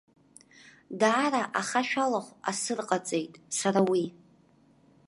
Даара ахашәалахә асырҟаҵеит сара уи.